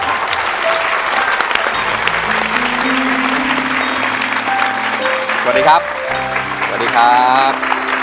สวัสดีครับ